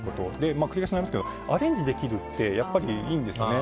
繰り返しになりますがアレンジできるっていいんですね。